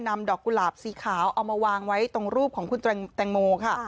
นำดอกกุหลาบสีขาวเอามาวางไว้ตรงรูปของคุณแตงโมค่ะ